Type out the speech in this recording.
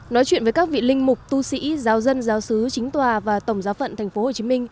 nói chuyện với các vị linh mục tu sĩ giáo dân giáo sứ chính tòa và tổng giáo phận tp hcm